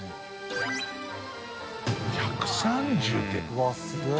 うわっすげぇ。